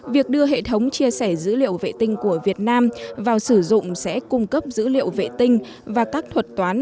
việc đưa hệ thống chia sẻ dữ liệu vệ tinh của việt nam vào sử dụng sẽ cung cấp dữ liệu vệ tinh và các thuật toán